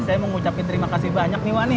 saya mau ngucapin terima kasih banyak nih wak nih